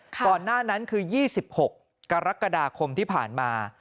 ก่อนหน้านั้นคือ๒๖กรกฎาคมที่ผ่านมา